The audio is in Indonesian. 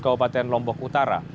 kabupaten lombok utara